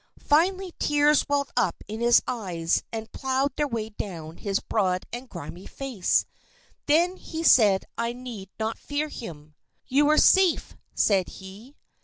Finally tears welled up in his eyes and plowed their way down his broad and grimy face. Then he said I need not fear him. "You are safe," said he.